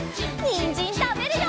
にんじんたべるよ！